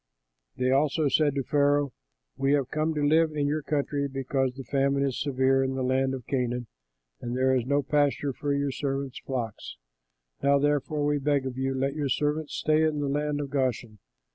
They also said to Pharaoh, "We have come to live in your country; because the famine is severe in the land of Canaan, and there is no pasture for your servants' flocks. Now, therefore, we beg of you, let your servants stay in the land of Goshen."